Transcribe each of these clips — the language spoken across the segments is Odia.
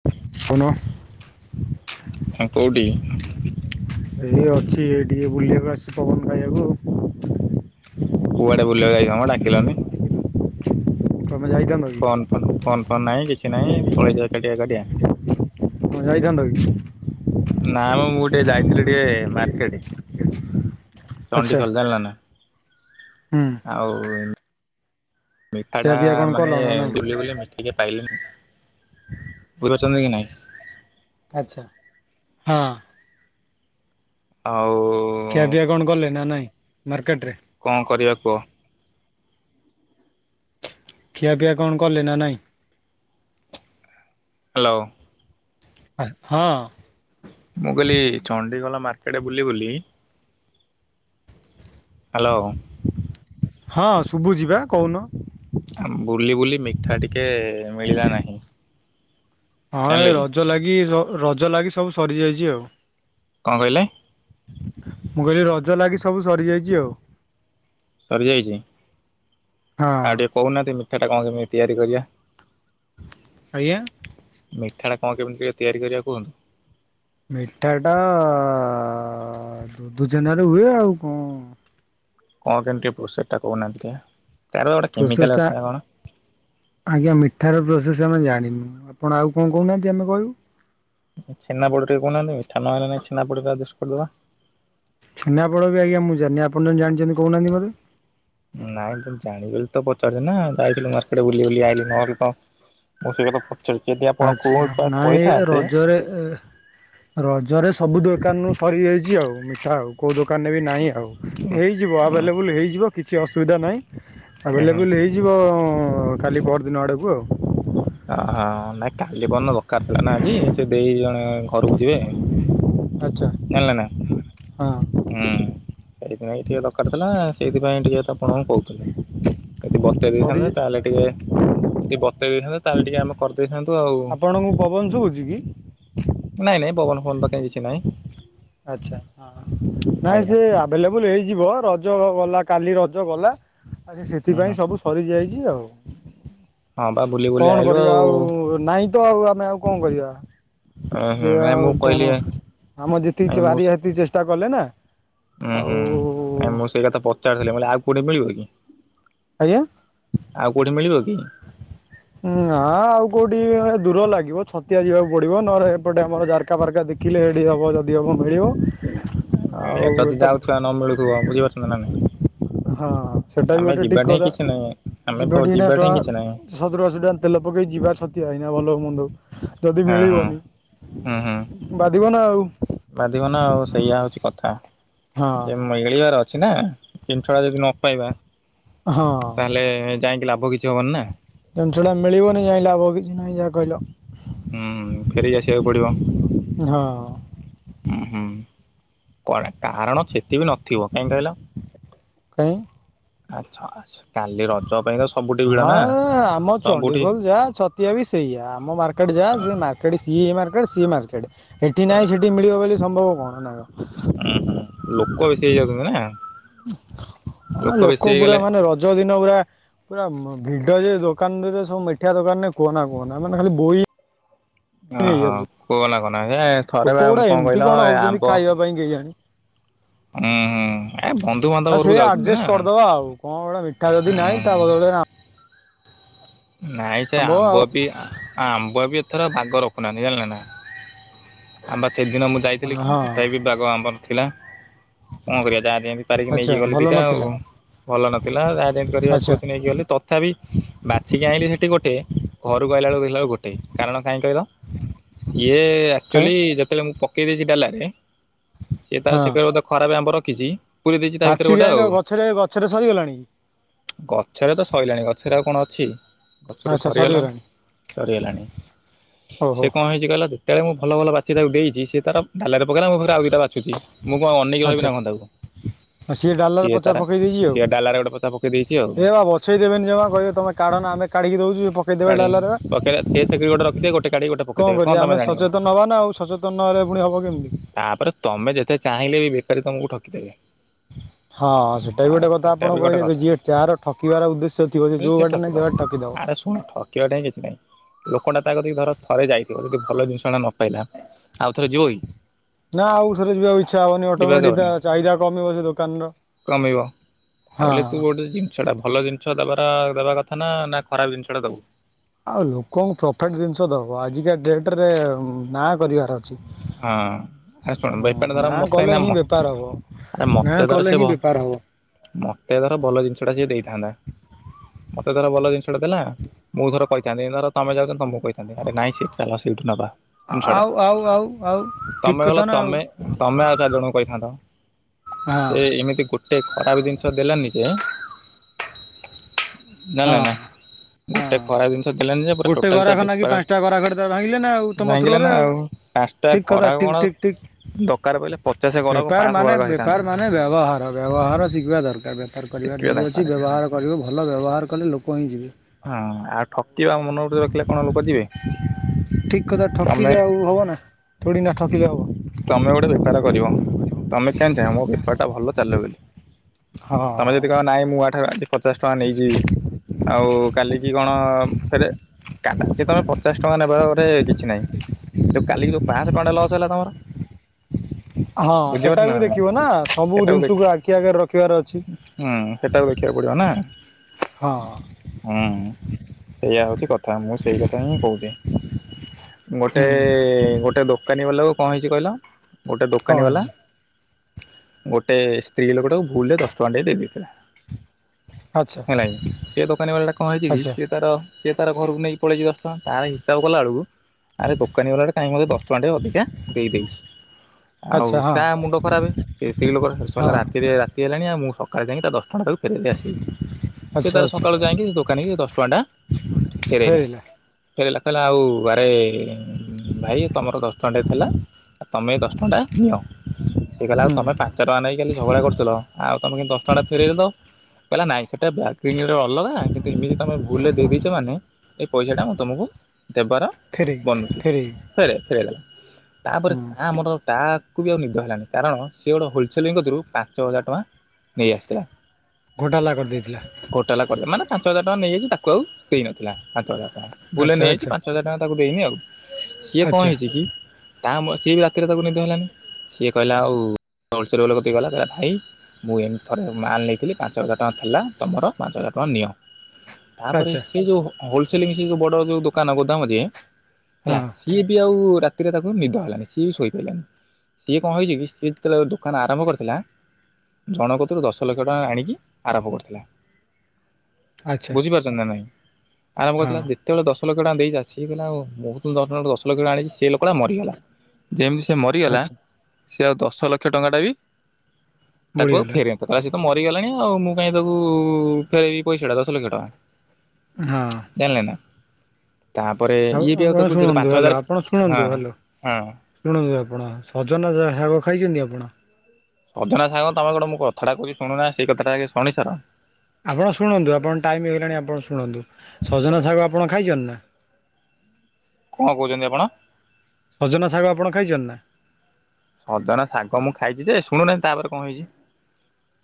କହୁନ ଏଇ ଅଛି କୋଉଠି ଟିକେ ବୁଲିବାକୁ ଆସିଛି ପବନ ଖାଇବାକୁ ଆଉ। କୁଆଡେ ବୁଲିବାକୁ ଯାଇଛି କି ଡାକିଲନି। ତମେ ଯାଇଥାନ୍ତି କି? ଫୋନ ଫୋନ ଫୋନ ଫୋନ୍ ନାହିଁ କିଛି ନାହିଁ ପଳେଇଛ ଏକାଟିଆ। ତମେ ଯାଇଥାନ୍ତ କି? ନା ମ ମୁଁ ମୁଁ ଟିକେ ଯାଇଥିଲି ଟିକେ ମାର୍କେଟ ଆଚ୍ଛା ଚଣ୍ଡିଖୋଲ ଜାଣିଲ ନା? ହୁଁ। ଆଉ ମିଠା ଟା ଖିଆପିଆ କଣ କଲ ମାନେ ନା ନାଇଁ ବୁଲି ବୁଲି ମିଠା ଟିକେ ପାଇଲେ ବୁଲୁଛନ୍ତି କି ନାଇଁ? ଆଚ୍ଛା ହଁ। ଆଉ ଖୁଆପିଆ କଣ କଲେ ନା ନାହିଁ ମାର୍କେଟରେ? କଣ କରିବା କୁହ। ଖିଆପିଆ କଣ କଲେ ନା ନାହିଁ? ହେଲୋ। ହଁ। ମୁଁ କହିଲି ଚଣ୍ଡଗଲା ମାର୍କେଟରେ ବୁଲି ବୁଲି। ହେଲୋ। ହଁ ଶୁଭୁଚୁ ବା କହୁନ। [inaudible] ନାହିଁ ଜାଣିଲେ ହଁ କି। ରଜ ଲାଗି ସବୁ ରଜ ଲାଗି ସବୁ ସରିଯାଇଛି ଆଉ। କଣ କହିଲେ? ମୁଁ କହିଲି ରଜ ଲାଗି ସବୁ ସରିଯାଇଛି ଆଉ। ସରିଯାଇଛି ହଁ ଆଉ ଟିକେ କହୁନାହାନ୍ତି ମିଠାଟା କଣ କେମିତି ତିଆରି କରିବା। ଆଜ୍ଞା। ମିଠା କଣ କେମିତି ତିଆରି କରିବା କୁହନ୍ତୁ? ମିଠା ଟା ଛେନାରେ ହୁଏ ଆଉ କଣ? କଣ କେମିତି ପ୍ରୋସେସ୍ ଟା କହୁ ନାହାନ୍ତି ଟିକେ। ତାର ଗୋଟେ କେମିକାଲ ପ୍ରସେସ୍ ଟା ଅଛି ନା କଣ? ଆଜ୍ଞା ମିଠାର ପ୍ରୋସେସ୍ ଆମେ ଜାଣିନୁ, ଆପଣ ଆଉ କଣ କହୁନାହାନ୍ତି ଆମେ କହିବୁ। ଛେନା ପୋଡ ଟେ କହୁନାହାନ୍ତି, ମିଠା ନ ହେଲେ ନାଇ ଛେନା ପୋଡ଼ ରେ ଆର୍ଜେଷ୍ଟ କରିଦବା। ଛେନାପଡ଼ ବି ଆଜ୍ଞା ମୁଁ ଜଣିନି। ଆପଣ ଜାଣିଛନ୍ତି କହୁନାହାନ୍ତି ମୋତେ। ନାଇଁ ଜାଣିିବି ତ ପଚାରିଲି ନା ଯାଇଥିଲୁ ମାର୍କେଟ ବୁଲି ବୁଲି ଆ ନହଲେ କଣ [inaudible] [unintelligible] ଆଚ୍ଛା ନାଇଁ କହିଥାନ୍ତେ ରଜରେ, ରଜରେ ସବୁ ଦୋକାନରୁ ହରିଯାଇଛି ଆଉ ମିଠା ଆଉ କେଉଁ ଦୋକାନରେ ବି ନାହିଁ ଆଉ ଉଁ ହେଇଯିବ ଉଁ ଆଭେଲେବୁଲ୍ ହେଇଯିବ। କିଛି ଅସୁବିଧା ନାହିଁ ଉହୁଁ। ଆଭେଲେବୁଲ୍ ହେଇଯିବ କାଲି ପରଦିନ ଆଡ଼କୁ ଆଉ। ଅହଁ ନାଇଁ କାଲି ପରଦିନ ଦରକାର ଥିଲା ନା ଆଜି ସେ ଦେଇ ଜଣେ ଘରକୁ ଯିବେ। ଆଚ୍ଛା ଜାଣିଲେ ନା ହଁ। ହୁଁ ସେଇଥିପାଇଁ ଟିକେ ଦରକାର ଥିଲା ସେଇଥିପାଇଁ ଟିକେ ଆପଣଙ୍କୁ କହୁଥିଲି। ଯଦି ବତେଇ ସରି ଦେଇଥାନ୍ତେ ତାହେଲେ ଟିକେ ଯଦି ବତେଇ ଦେଇଥାନ୍ତେ ତାହେଲେ ଟିକେ ଆମ କରିଦେଇଥାନ୍ତୁ ଆଉ ଆପଣଙ୍କୁ ପବନ ଶୁଭୁଛି କି? ନାଇଁ ନାଇଁ ପବନ ଫବନ ତ କହିଁ ଆଚ୍ଛା ହ ନାଇଁ ଆଜ୍ଞା ସେ। ଆଭେଲେବୁଲ୍ ହେଇଯିବ ରଜ ଗଲା କାଲି ରଜ ଗଲା ଆ ହୁଁ ସେଥିପାଇଁ ହୁଁ ସବୁ ସରିଯାଇଛି ଆଉ। ହଁ ବା ବୁଲି। ବୁଲି କଣ ଆଇଲୁ କରିବା ଆଉ ନାଇଁ ତ ଆଉ। ଆମେ ଆଉ କଣ କରିବା? ହୁଁ ସେ ନାଇଁ ଆଉ ମୁଁ କହିଲି କଣ ଆମ ନାଇଁ ଯେତିକି ମୁଁ ପାରିଆ ସେତିକି ଚେଷ୍ଟା କଲେ ନା। ହୁଁ ଆଉ ହୁଁ ନାଇଁ ମୁଁ ସେଇ କଥା ପଚାର ଥିଲେ ମାନେ ଆଉ କୋଉଠି ମିଳିବ କି? ଆଜ୍ଞା। ଆଉ କୋଉଠି ମିଳିବ କି? ନା ଆଉ କୋଉଠି ଦୂର ଲାଗିବ ଛତିଆ ଯିବାକୁ ପଡିବ ନହଲେ ଏପଟେ ଆମର ଏକାପାର୍କା ଦେଖିଲେ ଯଦି ହେବ ମିଳିବ। ଆଉ ଏ ତ [inaudible] ହଁ ସେଟା ବି ଆମେ ଗଟେ ଯିବା ଠିକ ଠେଇଁ କିଛି ନାହିଁ ଆମେ କଥା ପ ବଡି ନା ଯିବା ଟ ଠେଇଁ କିଛି ନାହିଁ ସତୁରି, ଆଶି ଟଙ୍କା ତେଲ ପକେଇ ଯିବା ଛତିଆ ହେଇନା ଭଲ ହୋଇ ମନ୍ଦ ହୋଇ ଯଦି ହଁ ହଁ ମିଳିବନି ହୁଁ ହୁଁ ବାଧିବ ନା ଆଉ। ବାଧିବ ନା ଆଉ ସେଇୟା ହଉଛି କଥା ଯେଇ ଏ କ୍ଲିୟର ଅଛି ନା ଜିନିଷ ଟା ଯଦି ନ ପାଇବା। ହଁ। ତା ହେଲେ ଯାଇକି ଲାଭ କିଛି ହବନି ନା। ଜିନିଷଟା ମିଳିବନି ଯାଇକି ଲାଭ କିଛି ଯାହା କହିଲ ହୁଁ ଫେରିକି ଆସିବାକୁ ପଡିବ। ହଁ। କୁଆଡେ କାରଣ ସେତେବି ନଥିବ। କାହିଁ କହିଲ? କାଇଁ ଆଚଛା ଆଚଛା କାଲି ରଜ ପାଇଁ ତ ସବୁଠି ଭିଡ ନା ହଁ ଆମ ସବୁଠି। ଚଣ୍ଡିଖୋଲ ଯାହା ଛ ଇଏ ବି ସେଇୟା ଆମ ମାର୍କେଟ୍ ଯାହା ସେ ମାର୍କେଟ୍ ସିଇ ମାର୍କେଟ୍ ସିଏ ମାର୍କେଟ୍ ଏଠି ସେଇ ନାହିଁ ସେ ଡି ମିଳିବ ବୋଲି ସମ୍ଭବ କଣ ନାଅ? ହୁଁ ହୁଁ ଲୋକ ବେଶୀ ହେଇଯାଉଛନ୍ତି ନାଁ ଲୋକ ପୁରା ମାନେ ରଜ ଦିନ ପୁରା ପୁରା ଭିଡ଼ ଯେ ଦୋକାନରେ ସବୁ ମିଠା ଦୋକାନରେ କୁହନା କୁହନା ମାନେ ଖାଲି ବୋଇ ଓହୋ କୁହନା କହନା ଏ ଲୋକ ଗୁଡ଼ା ଏମିତି କଣ ହଉଚନ୍ତି ଖାଇବା ପାଇଁ କେଇଆଣି? ଉୁଁ ହୁଁ ଏ ହଁ ବନ୍ଧୁବାନ୍ଧବ ସେ ଘରୁକୁ ଯାଉଛନ୍ତି ଆଡଜଷ୍ଟ ନାଁ। କରିଦବା ଆଉ କଣ ଓଟେ ମିଠା ଯଦି ନାଇଁ ତା ବଦଳରେ ଆ ନାଇଁ ସେ ଆମ୍ବ ବି ଆ ଆମ୍ବ ବି ଏଥର ବାଗ ରଖୁନାହାନ୍ତି ଜାଣିଲ ନାଁ। ଆମ୍ବା ସେଦିନ ମୁଁ ଯାଇଥିଲି କିଊନ୍ତ ହଁ ତଥାପି ବିି ବାଗ ଆମ୍ବ ନଥିଲା। କଣ କରିବା ଯାହା ଯେନ୍ତି ପାରିକି ଆଚ୍ଛା ନେଇକି ଗଲି ଭଲ ଦିଟା ନଥିଲା ଆଉ। ଭଲ ନଥିଲା ଯାହା ଯେମତି କରି ବାଛି ଆଚ୍ଛା ବୁଛି ନେଇକି ଗଲି ତଥାପି ସିକି ଆଇଁଲି ସେଠି ଗୋଟେ ଘରୁକୁ ଆଇଲା ଅଳୁକୁ ଦେଖିଲା ଅଳୁକୁ ଗୋଟେ କାରଣ କାଇଁ କହିଲ ଇଏ କାଇଁ ଆକ୍ଚୁଆଲି ଯେତୋଳେ ମୁଁ ପକେଇ ଦେଇଚି ଡାଲାରେ ସିଏ ତାର ହଁ ସେଥିରେ ବୋଧେ ଖରାପ ଆମ୍ବ ରଖିଚି ପୁରେଇ ଦେଇଚି ତା ଭିତରେ ପାଚିକି ଗୋଟେ ଆଣିଲ ଆଉ। ଗଛରେ ଗଛରେ ସରିଗଲାଣି କି? ଗଛରେ ତ ସଇଲାଣି ଗଛରେ ଆଉ କଣ ଅଛି? ଅଛରେ ଆଚ୍ଛା ସରିଗଲା ସରିଗଲାଣି ସରିଗଲାଣି ଓହୋ ସେ କଁ କଁ ହେଇଚି କହିଲ ଯେତେଳେ ମୁଁ ଭଲ ଭଲ ବାଛି ତାକୁ ଦେଇଚି ସେ ତାର ଡାଲରେ ପକେଇଲା ମୁଁ ମୋ ପାଖୁରୁ ଆଉ ଦିଟା ବାଛୁଚି ମୁଁ କଁ ଅନେଇକି ରହିବିନା କଁ ତାକୁ? ଆ ସିଏ ଡାଲରେ ପଚା ପକେଇ ଦେଇଚି ଆଉ ସିଏ ଡାଲାରେ ଗୋଟେ ପଚା ପକେଇ ଦେଇଛି ଆଉ। ଏ ବା ବ ସେଇ ଦେବେନି ଜମା କହିବେ ତମେ କାଢ଼ନା ଆମେ କଢ଼ିକି ଦଉଚୁ ଏ ପ କାଢ଼ି ପକେଇଲା ସିଏ ସେଥିରୁ ଗୋଟେ ରଖିଦେଇ ଗୋଟେ କାଢି଼ ଗୋଟେ କୁ ପକେଇଦେବେ କଣ କରିବା ତମେ ଆମେ ଜାଣିବ ସଚେତନ ହବା ନାଁ ଆଉ ସଚେତନ ନହଲେ ପୁଣି ହବ କେମିତି? ତାପରେ ତମେ ଯେତେ ଚାହିଁଲେ ବି ଭିକାରୀ ତମୁକୁ ଠକିଦେବେ। ହଁ ସେଟା ଆ ବି ଗୋଟେ କଥା ସେଟା ଆପଣ ବି ଗୋଟେ କହିଦେବେ କଥା ଯିଏ ଯାହାର ଠକିବାର ଉଦେଶ୍ୟ ଥିବ ସେ ଯୋଉ ବାଟେ ନାହିଁ ସେ ବାଟେ ଠକିଦବ। ଆରେ ଶୁଣ ଠକିବା ଠାଇଁ କିଛି ନାହିଁ। ଲୋକଟା ତା କତିକି ଧର ଥରେ ଯାଇଥିବ ଯଦି ଭଲ ଜିନିଷଟା ନପାଇଲା ଆଉ ଥରେ ଯିବ କି? ନାଁ ଆଉ ଥରେ ଯିବାକୁ ଇଚ୍ଛା ହବନି ଯିବାକୁ ଅଟୋମେଟିକ୍ ତା ହବନି ଚାହିଦା କମିବ ସେ ଦୋକାନର। ଆଉ ହଁ। ଲିପୁ କୋଉ ସେଟା ଭଲ ଜିନିଷ ଦବାର ଦେବା କଥା ନାଁ ନାଁ ଖରାପ ଜିନିଷଟା ଦବ? ଆଉ ଲୋକଙ୍କୁ ପ୍ରଫେଟ ଜିନିଷ ଦବ ଆଜିକା ଡେଟ୍ ରେ ନାଁ କରିବାର ଛି ହଁ ଆରେ ଶୁଣ ବେପାର ଅଁ ଧର ନାଁ ମତେ ନା କଲେ ମ ହିଁ ବେପାର ହବ। ଆରେ ନାଁ ମତେ ଧର କଲେ ସେ ଭ ହିଁ ବେପାର ହବ। ମତେ ଧର ଭଲ ଜିନିଷଟା ସିଏ ଦେଇଥାନ୍ତା ମତେ ଧର ଭଲ ଜିନିଷଟା ଦେଲା ମୁଁ ଧର କହିଥାନ୍ତି ଧର ତମେ ଯାଉଚ ତମୁକୁ କହିଥାନ୍ତି ଆରେ ନାଇଁ ସେଠି ଚାଲ ସେଇଠୁ ନବା। ଆ ଜିନିଷ ଟା ଆଉ ଆଉ ଆଉ ଆଉ ଠିକ ତମେ ଗଲ କଥା ନା ଆଉ। ତମେ ତମେ ଆଉ ଚାରି ଜଣଙ୍କୁ କହିଥାନ୍ତ ହଁ ଏ ଏମିତି କୋ ଟେ ଖରାପ ଦିନିଷ ଦେଲାନି ଯେ ହଁ ଜଣିଲେନା ଗୋଟେ ହଁ। ଖରାପ ଜିନିଷ ଦେଲାନି ଯେ ପୁରା ଗୋଟେ ଟୋଟାଲ ତା ଗରାଖର ନାଗି ବେପାର ପାଞ୍ଚଟା ଗରାଖଟା ତା ଭାଙ୍ଗିଲେ ନାଁ ଆଉ ତମ ଭାଙ୍ଗିଲା ଥ୍ରୋରେ ନା ଆଉ। ପାଞ୍ଚଟା ଠିକ୍ କଥା ଘରାକ ଠିକ୍ କଣ ଠିକ୍ ଠିକ୍। ଦରକାର ପଇଲେ ପଚାଶ ଘରାକୁ ବେପାର ପାଞ୍ଚଶହ ମାନେ ଘରାକ ହେଇଥାନ୍ତା ବେପାର ମାନେ ବ୍ୟବହାର ବ୍ୟବହାର ଶିଖିବା ଦରକାର ବେ ପାର ଯଦି ଟେକିବା କରିବାର ଅଛି ଦରକାର ବ୍ୟବହାର କରିବେ ଭଲ ବ୍ୟବହାର କଲେ ଲୋକ ହିଁ ଯିବେ। ହଁ ଆଉ ଠକିବା ମନୋବୃତି ରଖିଲେ କଣ ଲୋକ ଯିବେ? ତମେ କୁ ହବ ନାଁ? ଥୋଡି଼ ନା ଠକିଲେ ହବ। ତମେ ଗୋଟେ ବେପାର କରିବ ତମେ କେନ୍ ଚାହିଁବ ମୋ ବେପାରଟା ଭଲ ଚାଲୁ ବୋଲି। ତମେ ହଁ। ଯଦି କହିବ ନାଇଁ ମୁଁ ଏଠାରୁ ଆଜି ପଚାଶ ଟଙ୍କା ନେଇଚି ଆଉ କାଲିକି କଣ ଫେରେ। କାଟା ଯେତୋଳେ ପଚାଶ ଟଙ୍କା ନେବାଖଗେଟେ କିଛି ନାହିଁ କାଲି ଯୋଉ ପାଶହ ଟଙ୍କା ଲସ୍ ହେଲା ତମର। ହଁ ବୁଝିପାରୁଛ ସେଟା ନା ବି ନାଇଁ ଦେଖିବ ନା ସବୁ ସେଟାକୁ ଦେଖ ଜିନିଷକୁ ଆଖି ଆଗରେ ରଖିବାର ଅଛି। ହୁଁ ସେଟାକୁ ଦେଖିବାକୁ ପଡିବ ନା। ହଁ। ହୁଁ ସେଇୟା ହଉଚି କଥା ମୁଁ ସେଇ କଥା ହିଁ କହୁଚି। ଗୋଟେ ହୁଁ। ଗୋଟେ ଦୋକାନୀ ବାଲାକୁ କଣ ହେଇଛି କହିଲ ଗୋଟେ କଣ ଦୋକାନୀ ବାଲା। ହେଇଛି ଗୋଟେ ସ୍ତ୍ରୀ ଲୋକଟାକୁ ଭୁଲ୍ ରେ ଦଶ ଟଙ୍କାଟେ ଦେଇେଇଥିଲା। ଆଚ୍ଛା ହେଲାଇ ସେ ଦୋକାନୀ ବାଲା ଟା କଣ ହେଇଛି କି ଆଚ୍ଛା ସେ ତାର ସିଏ ତାର ଘରକୁ ନେଇିକି ପଳେଇଚି ଦଶଟଙ୍କା ତାର ହିସାବ କଲା ବେଳକୁ। ଆରେ ଦୋକାନୀ ବାଲାଟେକାଇଁକି ମତେ ଦଶ ଟଙ୍କା ଟେ ଅଧିକା ଦେଇଛି ଆଉ ଆଚ୍ଛା ହଁ ତା ମୁଣ୍ଡ ଖରାପେ ସେ ସ୍ତ୍ରୀ ହଁ ଲୋକଟା ରାତି ଯେରାତି ହେଲାଣି ଆ ମୁଁ ସକାଳେ ଯାଇ ତା ଦଶଟଙ୍କାଟା ତାକୁ ଫେରେଇଦେଇ ଆସିବି।। ସେ ଆଚ୍ଛା ତ। ର ଆଚ୍ଛା ସକାଳୁ ଯାଇକି ସେ ଦୋକାନୀ କି ଦଶ ଟଙ୍କାଟା ଫେରାଇଲା। ଫେରିଲା ଫେରଇଲା କହିଲା ଆଉ ବାରେ ଭାଇ ତମର ଦଶ ଟଙ୍କା ଟେ ଥିଲା। ଆଉ ତମେ ଦଶ ଟଙ୍କା ଟା ନିଅ ସେ କହିଲା ଆଉ ହୁଁ ତମେ ପା ପାଞ୍ଚ ଟଙ୍କା ନେଇ କାଲିଝଗଡ଼ା କରୁଥିଲ ଆ ତମେ କେମିତି ଦଶ ଟଙ୍କାଟା ଫେରାଇଦେଲ ତ କହିଲା ନାଇଁ ସେଇଟା ବ୍ୟଗ। ପିଞ୍ଜିଡ଼େ ଅଲଗା କିନ୍ତୁ ଏମିତି ତମେ ଭୁଲରେ ଦେଇଦେଇଛ ମାନେ ଏଇ ପଇସାଟା ମୁଁ ତମୁକୁ ଦେବାର ଫେରେଇ ବନୁଛି ଫେରେଇ ଫେରେ ଫେରେଇଦେଲି। ତାପରେ ହୁଁ ତା ମନର ତା କୁ ବି ଆଉ ନିଦ ହେଲାନି କାରଣ ସେ ଗୋଟେ ହୋଲସେଲିଙ୍ଗ୍ କତୁରୁ ପାଞ୍ଚ ହଜାର ଟଙ୍କା ନେଇଆସିଥିଲା। ଘୋଟାଲା କରିଦେଇଥିଲା। ଗୋଟାଲା କରଦେ ମାନେ ପାଞ୍ଚ ହଜାର ଟଙ୍କା ନେଇଯାଇଛି ତାକୁ ଆଉ ସେଇନଥିଲା ପାଞ୍ଚ ହଜାର। ବୁଲେ ଆଚ୍ଛା ନେଇଯାଇଚି ଆଚ୍ଛା ପାଞ୍ଚ ହଜାର ଟଙ୍କା ତାକୁ ଦେଇନି ଆଉ ସିଏ କଁ ଆଚ୍ଛା ହେଇଛି କି ତା ମ ସିଏ ବି ରାତିରେ ତାକୁ ନିଦ ହେଲାନି ସିଏ କହିଲା ଆଉ ହୋଲସେଲ୍ ବାଲା କତିକି ଗଲା କହିଲା ଭାଇ ମୁଁ ଏମିତି ଥରେ ମାଲ ନେଇଥିଲି ପାଞ୍ଚ ହଜାର ଟଙ୍କା ଥିଲା ତମର ପାଞ୍ଚ ହଜାର ଟଙ୍କା ନିଅ। ତାପରେ ଆଚ୍ଛା ସେ ଯୋଉ ହୋଲସେଲିଂ ସେ ଯୋଉ ବଡ଼ ଯୋଉ ଦୋକାନ ଗୋଦାମ ଯିଏ ହଁ ହେଲା ଇଏ ବି ଆଉ ରାତିରେ ତା ନୁ ନିଦ ହେଲାନି ସିଏ ବି ଶୋଇପାଇଲାନି ସିଏ କଣ ହେଇଚି କି ସିଏ ଯେତେବେଳେ ଆଉ ଦୋକାନ ଆରମ୍ଭ କରିଥିଲା ଜଣ କତିରୁ ଦଶ ଲକ୍ଷ ଟଙ୍କା ଆଣିକି ଆରମ୍ଭ କରିଥିଲା। ଆଚ୍ଛା ବୁଝିପାରୁଛନ୍ତି ନାଁ ନାଇଁ? ଆରମ୍ଭ ହଁ କରିଥିଲା ଦେ ତଳେ ଦଶ ଲକ୍ଷ ଟଙ୍କା ଦେଇଯା ସିଏ କହିଲା ଆଉ ମୁଁ ତ ଜଣଠଣାଠୁ ଦଶ ଲକ୍ଷ ଟା ଆଣିଚି ସେ ଲୋକଟା ମରିଗଲା। ଯେମତି ସେ ମରିଗଲା ଆଚ୍ଛା ସେ ଆଉ ଦଶ ଲକ୍ଷ ଟଙ୍କାଟା ବି ତାକୁ ଆଉ ବୁଡ଼ିଗଲା ଫେରେ କଲା ସେତ ମରିଗଲାଣି ଆଉ ମୁଁ କାଇଁ ତାକୁ ଫେରବି ପଇସାଟା ଦଶ ଲକ୍ଷ ଟଙ୍କା। ହଁ। ଜାଣିଲେ ନା ତାପରେ ଇଏ ବି ଆଉ ଆପଣ ତାକୁ ଦେରେ ଶୁଣନ୍ତୁ ପାଞ୍ଚ ହ୍ୟାଲୋ ହଜାରେ ଆପଣ ଶୁଣନ୍ତୁ ହାଲୋ ଶୁଣନ୍ତୁ ଆପଣ ସଜନା ଯା ଶାଗ ଖାଇଚନ୍ତି ଆପଣ? ଅଜନା ସାଗ ତମେ ଗୋଟେ ମୁଁ କଥାଟା କହୁଚି ଶୁଣୁନା ନା ସେଇ କଥାଟା ଆଗେ ଶୁଣି ସାର। ଆପଣ ଶୁଣନ୍ତୁ ଆପଣ ଟାଇମ୍ ହେଇଗଲାଣି ଆପଣ ଶୁଣନ୍ତୁ ସଜନା ଶାଗ ଆପଣ ଖାଇଚନ୍ତି ନାଁ? କଣ କୋହୁଚନ୍ତି ଆପଣ? ସଜନା ଶାଗ ଆପଣ ଖାଇଚନ୍ତି ନା? ସଜନା ଶାଗ ମୁଁ ଖାଇଚି ଯେ ଶୁଣୁନାହାଁ ତାପରେ କଣ ହେଇଚି।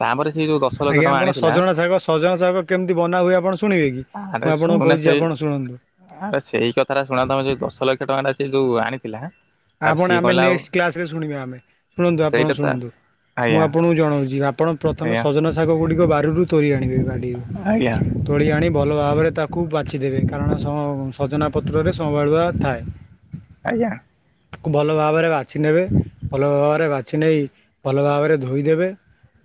ତାପରେ ସେ ଯୋଉ ଆଜ୍ଞା ଆପଣ ଆଣିଥିଲା ସଜଣା ଶାଗ ସଜନା ଶାଗ କେମତି ବନା ହୁଏ ଆପଣ ଶୁଣିବେ କି? ଆରେ ମୁଁ ଆପଣଙ୍କୁ ଶୁଣୁନା କହୁଚି ସେଇ ଆପଣ ଶୁଣନ୍ତୁ। ଆରେ ସେଇ କଥାଟା ଶୁଣ ତମେ ଯୋଉ ଦଶ ଲକ୍ଷ ଟଙ୍କାଟା ସିଏ ଯୋଉ ଆଣିଥିଲା। ତାର ଆପଣ ସିଏ ଆମେ କହିଲା ଆଉ ନେସ୍ କ୍ଲାସରେ ଶୁଣିବା ଆମେ। ଶୁଣନ୍ତୁ ଆପଣ ସେଇଟା ତ ଶୁଣନ୍ତୁ ମୁଁ ଆଜ୍ଞା ଆପଣଙ୍କୁ ଜଣାଉଚି। ଆପଣ ପ୍ରଥମେ ଆଜ୍ଞା ସଜନା ଶାଗ ଗୁଡ଼ିକ ବାରିରୁ ତୋରି ଆଣିବେ। ବାଡ଼ି ଆଜ୍ଞା। ତୋଳି ଆଣି ଭଲ ଭାବରେ ତାକୁ ବାଛି ଦେବେ କାରଣ ସଜନା ପତ୍ରରେ ସମ୍ଭାଳୁଆ ଥାଏ। ଆଜ୍ଞା। କୁ ଭଲ ଭାବରେ ବାଛି ନେବେ ଭଲ ଭାବରେ ବାଛି ନେଇ ଭଲ ଭାବରେ ଧୋଇଦେବେ।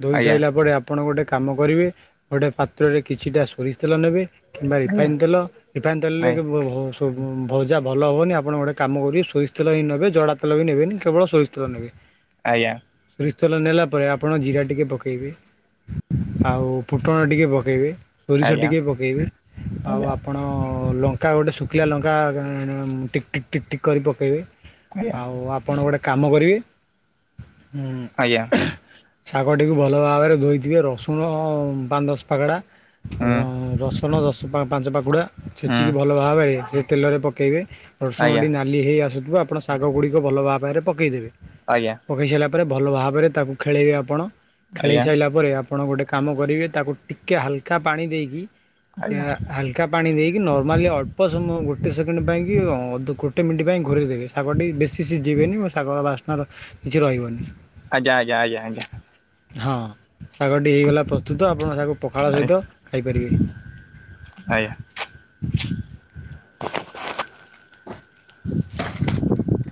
ଧୋଇ ଆଜ୍ଞା ସାରିଲା ପରେ ଆପଣ ଗୋଟେ କାମ କରିବେ ଗୋଟେ ପାତ୍ରରେ କିଛିଟା ସୋରିଷ ତେଲ ନେବେ। କିମ୍ବା ଆଜ୍ଞା ରିଫାଇନ୍ ତେଲ ରିଫାଇନ୍ ତେଲରେ ଭଜା ଭଲ ହେବନି। ଆପଣ ଗୋଟେ କାମ କରିବେ ସୋରିଷ ତଲ ହିଁ ନେବେ ଜଡ଼ା ତଲ ବି ନେବେନି କେବଳ ସୋରିଷ ତେଲ ନେବେ। ଆଜ୍ଞା। ସୋରିଷ ତେଲ ନେଲା ପରେ ଆପଣ ଜିରା ଟିକେ ପକାଇବେ। ଆଉ ଫୁଟଣ ଟିକେ ପକାଇବେ। ସୋରିଷ ଆଜ୍ଞା ଟିକେ ପକାଇବେ। ଆଉ ଆଜ୍ଞା ଆପଣ ଲଙ୍କା ଲଙ୍କା ଗୋଟେ ଶୁଖିଲା ଲଙ୍କା ଟିକ୍ ଟିକ୍ କରି ପକାଇବେ। ଆଜ୍ଞା ଆଉ ଆପଣ ଗୋଟଏ କାମ କରିବେ ହୁ ଆଜ୍ଞା। ଶାଗଟିକୁ ଭଲ ଭାବରେ ଧୋଇଥିବେ। ରସୁଣ ପାଞ୍ଚ, ଦଶ ପାଗଡ଼ା ହୁଁ ରସୁଣ ଦଶ, ପାଞ୍ଚ ପାଖୁଡା ହୁଁ ଛେଚିକି ଭଲ ଭାବରେ ସେ ତେଲରେ ପକାଇବେ। ଆଜ୍ଞା ରସୁଣଟି ନାଲି ହୋଇ ଆସୁଥିବ ଆପଣ ଶାଗ ଗୁଡ଼ିକ ଭଲ ଭାବରେ ପକାଇଦେବେ। ଆଜ୍ଞା। ପକାଇ ସାରିଲା ପରେ ଭଲ ଭାବରେ ତାକୁ ଖେଳେଇବେ ଆପଣ ଖେଳାଇ ଆଜ୍ଞା ସାରିଲା ପରେ ଆପଣ ଗୋଟେ କାମ କରିବେ ତାକୁ ଟିକେଏ ହାଲକା ପାଣି ଦେଇକି ଆଜ୍ଞା ଏକା ପାଣି ଦେଇକି ନର୍ମାଲି ଅଳ୍ପ ସମୟ ଗୋଟେ ସେକେଣ୍ଡ ପାଇଁକି ଅଧ ଗୋଟେ ମିନିଟ୍ ପାଇଁ ଘୋରେଇ ଦେବେ। ଶାଗଟି ବେଶୀ ସିଝିବେନି ମ ଶାଗ ବାସ୍ନାର କିଛି ରହିବନି। ଆଜ୍ଞା, ଆଜ୍ଞା, ଆଜ୍ଞା, ଆଜ୍ଞା। ହଁ ଶାଗ ଟିକେ ହେଇଗଲା ପ୍ରସ୍ତୁତ। ଆପଣ ତାକୁ ପଖାଳ ସହିତ ଖାଇପାରିବେ। ଆଜ୍ଞା [inaudible]